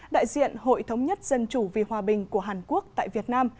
đại diện hội thống nhất dân chủ vì hòa bình của hàn quốc tại việt nam